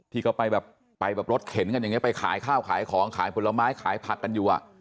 ที่เขาไปแบบไปแบบรถเข็นกันอย่างนี้ไปขายข้าวขายของขายผลไม้ขายผักกันอยู่